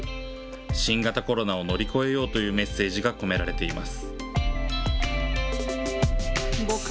新型コロナを乗り越えようというメッセージが込められています。